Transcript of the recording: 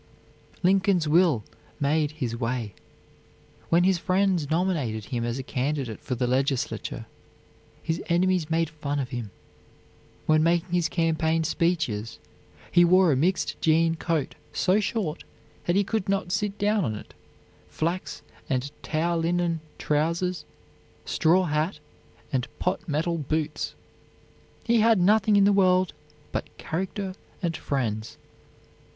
Lincoln's will made his way. When his friends nominated him as a candidate for the legislature, his enemies made fun of him. When making his campaign speeches he wore a mixed jean coat so short that he could not sit down on it, flax and tow linen trousers, straw hat, and pot metal boots. He had nothing in the world but character and friends.